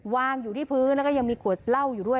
วางอยู่ที่พื้นแล้วก็ยังมีขวดเหล้าอยู่ด้วย